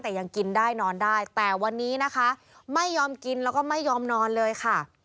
แต่ยังกินได้นอนได้แต่วันนี้นะคะไม่ยอมกินแล้วก็ไม่ยอมนอนเลยค่ะ